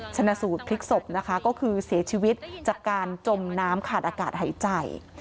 ชนะสูตรพลิกศพนะคะก็คือเสียชีวิตจากการจมน้ำขาดอากาศหายใจ